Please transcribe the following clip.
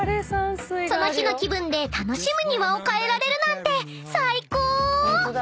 ［その日の気分で楽しむ庭を変えられるなんて最高！］